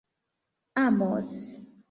amos